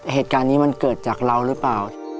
เหตุการณ์นี้มันเกิดจากเราหรือเปล่า